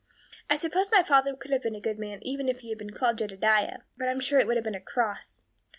I suppose my father could have been a good man even if he had been called Jedediah; but I'm sure it would have been a cross.